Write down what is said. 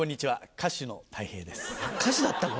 歌手だったの？